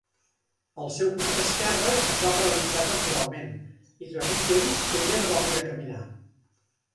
El seu costat esquerre es va paralitzar temporalment, i durant un temps ella no va poder caminar.